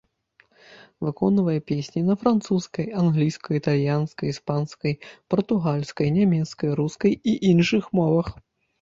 Выконвае песні на французскай, англійскай, італьянскай, іспанскай, партугальскай, нямецкай, рускай і іншых мовах.